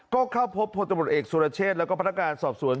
ก็เข้าพบโพธิบทเอกสุรเชษแล้วก็พันธการสอบสวน